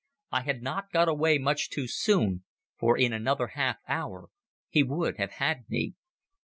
I had not got away much too soon, for in another half hour he would have had me.